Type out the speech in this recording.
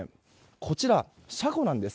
こちら、車庫なんです。